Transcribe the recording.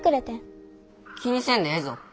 気にせんでええぞ。